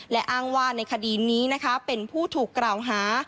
และอ้างว่าในคดีนี้นะคะเป็นผู้ถูกกล่าวหา